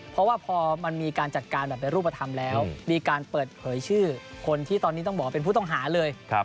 เพราะว่าพอมันมีการจัดการแบบเป็นรูปธรรมแล้วมีการเปิดเผยชื่อคนที่ตอนนี้ต้องบอกว่าเป็นผู้ต้องหาเลย